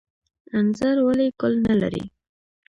انځر ولې ګل نلري؟